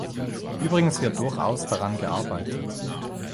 Übrigens wird durchaus daran gearbeitet.